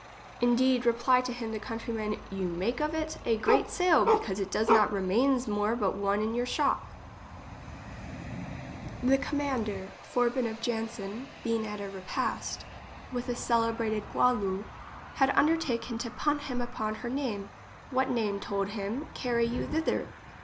'*—" Indeed, reply to him the countryman, you make of it a great sale, because it not remains more but one in your shop." English as slie is spoke. 55 The commander Forbin of Janson, being at a repast with a celebrated Boileau, had un dertaken to pun him upon her name :—" What name, told him, carry you thither?